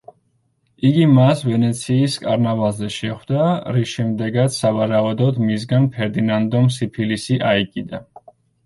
იგი მას ვენეციის კარნავალზე შეხვდა, რის შემდეგაც, სავარაუდოდ მისგან ფერდინანდომ სიფილისი აიკიდა.